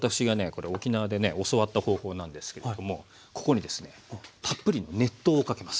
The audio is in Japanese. これ沖縄でね教わった方法なんですけれどもここにですねたっぷり熱湯をかけます。